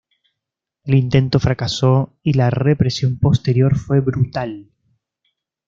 El intento fracasó y la represión posterior fue brutal.